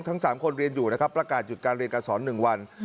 ทั้ง๓คนเรียนอยู่นะครับประกาศหยุดการเรียนการสอน๑วัน